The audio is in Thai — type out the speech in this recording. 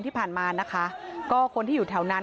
ที่ผ่านมานะคะก็คนที่อยู่แถวนั้น